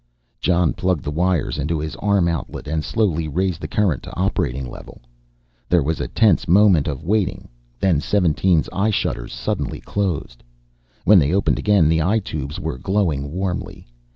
Jon plugged the wires into his arm outlet and slowly raised the current to operating level. There was a tense moment of waiting, then 17's eye shutters suddenly closed. When they opened again the eye tubes were glowing warmly.